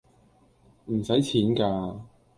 唔使錢㗎